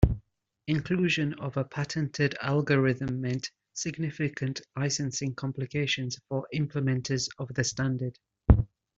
Inclusion of a patented algorithm meant significant licensing complications for implementors of the standard.